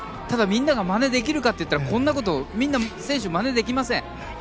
ただ、みんながまねできるかといったらこんなこと選手はみんなまねできません。